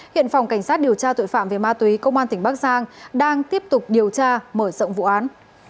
hiện phòng cảnh sát điều tra tội phạm về ma túy công an tỉnh bắc giang đang tiếp tục điều tra mở rộng vụ án